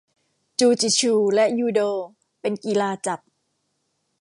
จูจิชูและ ยูโด เป็นกีฬาจับ